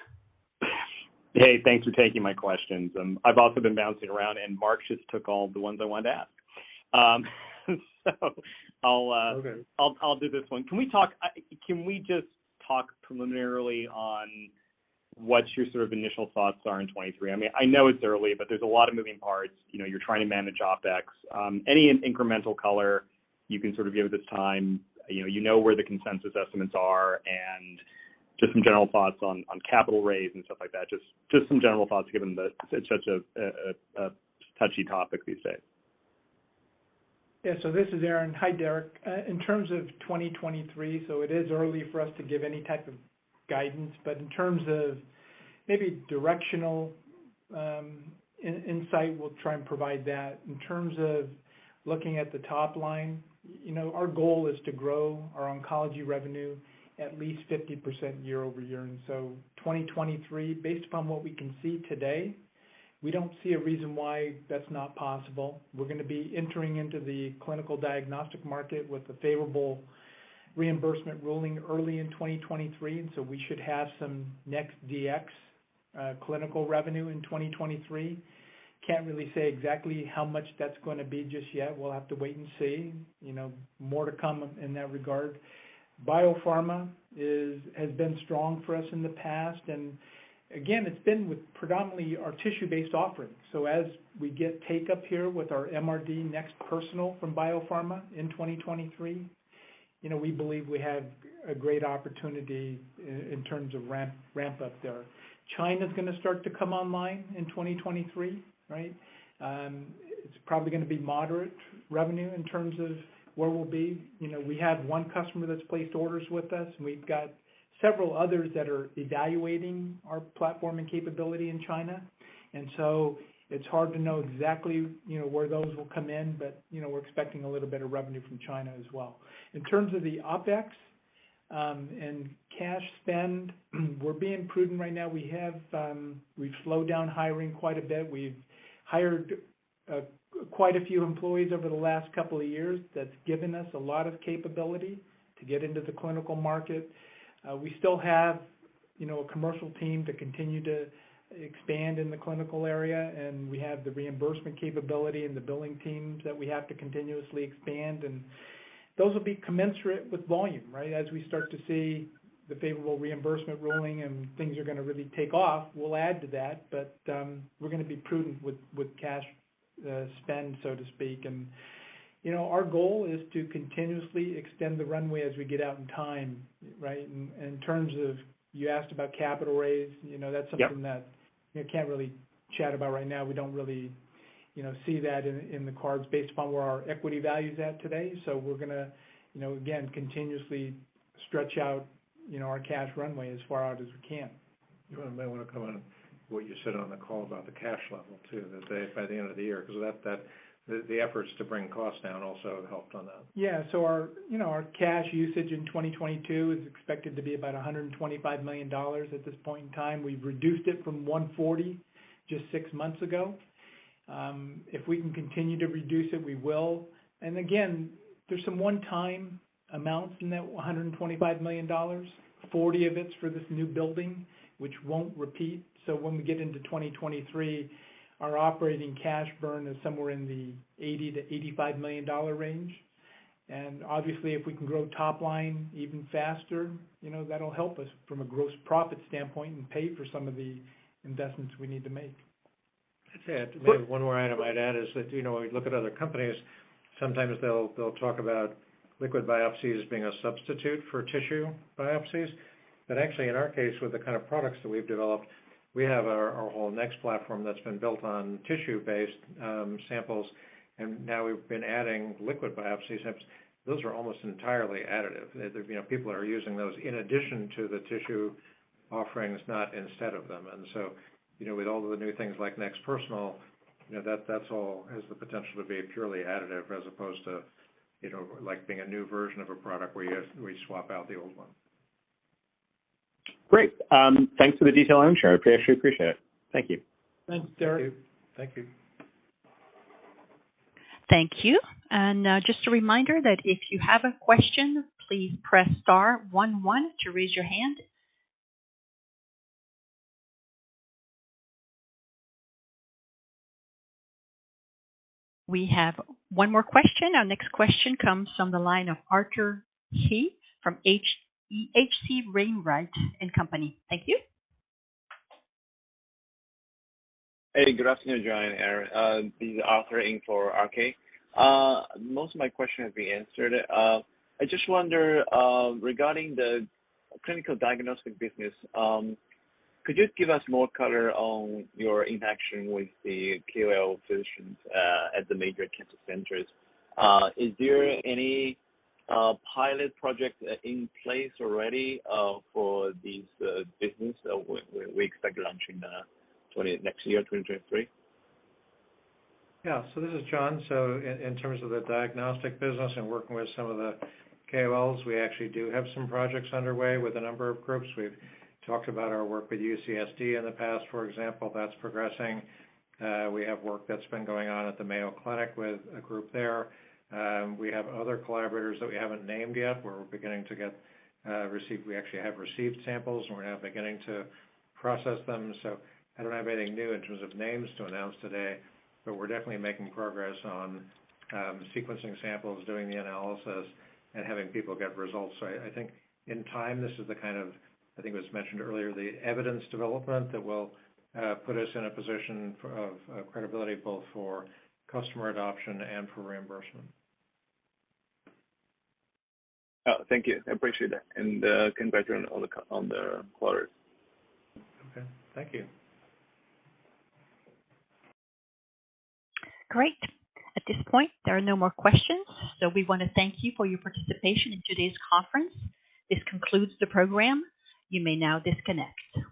Hey, thanks for taking my questions. I've also been bouncing around, and Mark just took all the ones I wanted to ask. I'll Okay. I'll do this one. Can we just talk preliminarily on what your sort of initial thoughts are in 2023? I mean, I know it's early, but there's a lot of moving parts. You know, you're trying to manage OpEx. Any incremental color you can sort of give at this time, you know where the consensus estimates are, and just some general thoughts on capital raise and stuff like that. Just some general thoughts given the, it's such a touchy topic these days. Yeah. This is Aaron. Hi, Derik. In terms of 2023, it is early for us to give any type of guidance, but in terms of maybe directional insight, we'll try and provide that. In terms of looking at the top line, you know, our goal is to grow our oncology revenue at least 50% year-over-year. 2023, based upon what we can see today, we don't see a reason why that's not possible. We're gonna be entering into the clinical diagnostic market with a favorable reimbursement ruling early in 2023, and so we should have some NeXT Dx clinical revenue in 2023. Can't really say exactly how much that's gonna be just yet. We'll have to wait and see. You know, more to come in that regard. Biopharma is, has been strong for us in the past, and again, it's been with predominantly our tissue-based offerings. As we get take-up here with our NeXT Personal from Biopharma in 2023, you know, we believe we have a great opportunity in terms of ramp up there. China's gonna start to come online in 2023, right? It's probably gonna be moderate revenue in terms of where we'll be. You know, we have one customer that's placed orders with us, and we've got several others that are evaluating our platform and capability in China. It's hard to know exactly, you know, where those will come in, but, you know, we're expecting a little bit of revenue from China as well. In terms of the OpEx and cash spend, we're being prudent right now. We've slowed down hiring quite a bit. We've hired quite a few employees over the last couple of years. That's given us a lot of capability to get into the clinical market. We still have, you know, a commercial team to continue to expand in the clinical area, and we have the reimbursement capability and the billing teams that we have to continuously expand. Those will be commensurate with volume, right? As we start to see the favorable reimbursement ruling and things are going to really take off, we'll add to that. We're going to be prudent with cash spend, so to speak. You know, our goal is to continuously extend the runway as we get out in time, right? In terms of you asked about capital raise, you know, that's something. Yeah. that I can't really chat about right now. We don't really, you know, see that in the cards based upon where our equity value is at today. We're gonna, you know, again, continuously stretch out, you know, our cash runway as far out as we can. You might want to comment on what you said on the call about the cash level too, that by the end of the year, because that. The efforts to bring costs down also helped on that. Yeah. Our, you know, our cash usage in 2022 is expected to be about $125 million at this point in time. We've reduced it from $140 just six months ago. If we can continue to reduce it, we will. Again, there's some one-time amounts in that $125 million, $40 of it's for this new building, which won't repeat. When we get into 2023, our operating cash burn is somewhere in the $80 million-$85 million range. Obviously, if we can grow top line even faster, you know, that'll help us from a gross profit standpoint and pay for some of the investments we need to make. I'd say one more item I'd add is that, you know, when we look at other companies, sometimes they'll talk about liquid biopsies being a substitute for tissue biopsies. Actually, in our case, with the kind of products that we've developed, we have our whole NeXT Platform that's been built on tissue-based samples, and now we've been adding liquid biopsies. Those are almost entirely additive. You know, people are using those in addition to the tissue offerings, not instead of them. You know, with all of the new things like NeXT Personal, you know, that that's all has the potential to be purely additive as opposed to, you know, like being a new version of a product where you swap out the old one. Great. Thanks for the detail, I'm sure. I actually appreciate it. Thank you. Thanks, Derik. Thank you. Thank you. Just a reminder that if you have a question, please press star one one to raise your hand. We have one more question. Our next question comes from the line of Arthur He from H.C. Wainwright & Co. Thank you. Hey, good afternoon, John and Aaron. This is Arthur in for RK. Most of my questions have been answered. I just wonder, regarding the clinical diagnostic business, could you give us more color on your interaction with the KOL physicians at the major cancer centers? Is there any pilot project in place already for this business we expect to launch in next year, 2023? Yeah. This is John. In terms of the diagnostic business and working with some of the KOLs, we actually do have some projects underway with a number of groups. We've talked about our work with UCSD in the past, for example. That's progressing. We have work that's been going on at the Mayo Clinic with a group there. We have other collaborators that we haven't named yet. We actually have received samples, and we're now beginning to process them. I don't have anything new in terms of names to announce today, but we're definitely making progress on sequencing samples, doing the analysis, and having people get results. I think in time, this is the kind of, I think it was mentioned earlier, the evidence development that will put us in a position of credibility both for customer adoption and for reimbursement. Oh, thank you. I appreciate that. Congratulations on the quarter. Okay. Thank you. Great. At this point, there are no more questions. We want to thank you for your participation in today's conference. This concludes the program. You may now disconnect.